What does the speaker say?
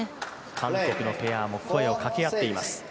韓国のペアも声を掛け合っています。